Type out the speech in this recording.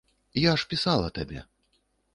Я ж пісала табе.